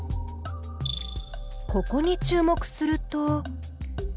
ここに注目すると。